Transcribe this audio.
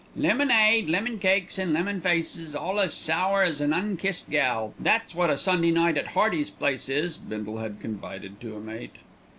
"Lemonade, lemon cakes, and lemon faces, all as sour as an unkissed gal, that's wot a Sunday night at Hearty's place is," Bindle had confided to a mate.